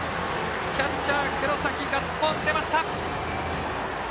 キャッチャー、黒崎にガッツポーズ出ました。